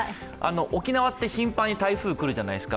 沖縄って頻繁に台風が来るじゃないですか。